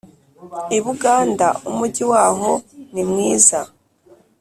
Ibuganda umujyi waho nimwiza